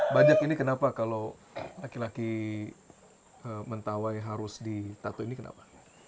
bajak ini kenapa kalau laki laki mentawai harus di tato ini kenapa